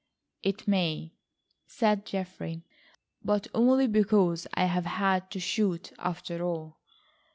"It may," said Geoffrey, "but only because I have had to shoot after all."